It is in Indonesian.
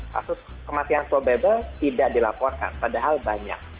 kasus kematian probable tidak dilaporkan padahal banyak